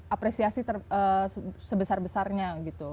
apresiasi sebesar besarnya gitu